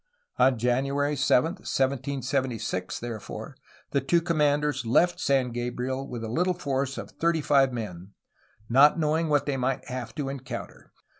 On January 7, 1776, therefore, the two com manders left San Gabriel with a Httle force of thirty five men, not knowing what they might have to encounter.